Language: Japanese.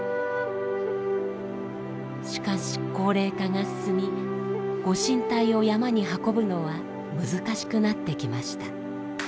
しかし高齢化が進みご神体を山に運ぶのは難しくなってきました。